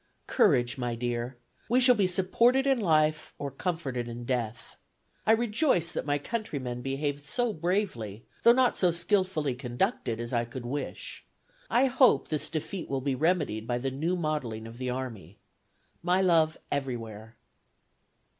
Courage, my dear. We shall be supported in life or comforted in death. I rejoice that my countrymen behaved so bravely, though not so skilfully conducted as I could wish. I hope this defeat will be remedied by the new modeling of the army. "My love everywhere."